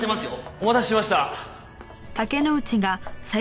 お待たせしました。